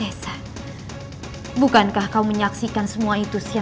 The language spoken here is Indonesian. mereka menginginkan kau untuk menjadi raja menggantikan gusti prabu surawi sesa